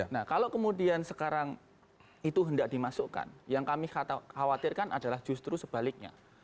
nah kalau kemudian sekarang itu hendak dimasukkan yang kami khawatirkan adalah justru sebaliknya